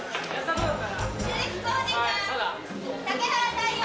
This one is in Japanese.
どうだった？